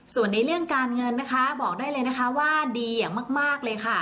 ส่วนในเรื่องการเงินนะคะบอกได้เลยนะคะว่าดีอย่างมากเลยค่ะ